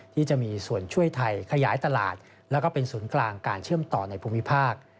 ที่จะมีส่วนช่วยไทยขยายตลาดแล้วก็เป็นศูนย์กลางการเชื่อมต่อในภูมิภาค